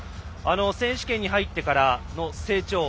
選手権に入ってからの成長。